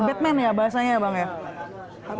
batman ya bahasanya ya bang ya